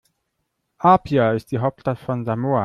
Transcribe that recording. Apia ist die Hauptstadt von Samoa.